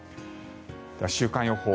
では、週間予報。